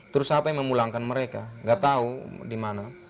terus apa yang memulangkan mereka nggak tahu di mana